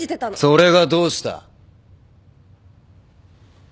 それがどうした？